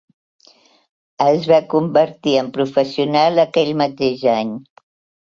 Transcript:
Es va convertir en professional aquell mateix any.